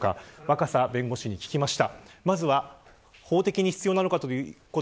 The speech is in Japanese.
若狭弁護士に聞きました。